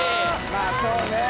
まあそうね